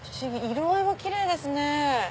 色合いもキレイですね。